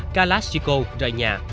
galactico rời nhà